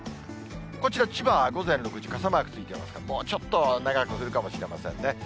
こちら、千葉は午前６時、傘マークついてますが、もうちょっと長く降るかもしれませんね。